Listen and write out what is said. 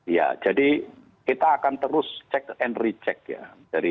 ya jadi kita akan terus cek and recheck ya